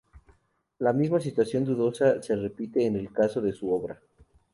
La misma situación dudosa se repite en el caso de su obra.